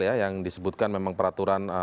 yang disebutkan memang peraturan